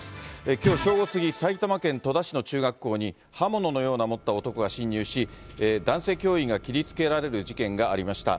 きょう正午過ぎ、埼玉県戸田市の中学校に、刃物のようなものを持った男が侵入し、男性教員が切りつけられる事件がありました。